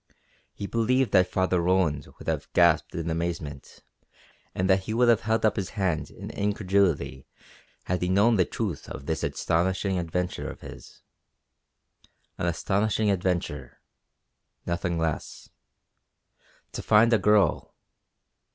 He believed that Father Roland would have gasped in amazement and that he would have held up his hands in incredulity had he known the truth of this astonishing adventure of his. An astonishing adventure nothing less. To find a girl.